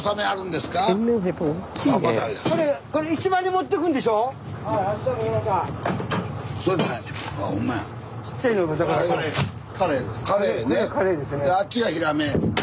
であっちがヒラメ。